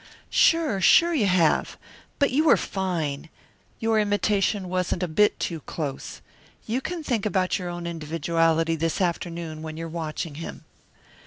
"Sure, sure you have! But you were fine your imitation wasn't a bit too close. You can think about your own individuality this afternoon when you're watching him."